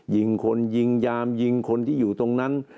ยิงคนยิงยามยิงคนที่อยู่ตรงนั้น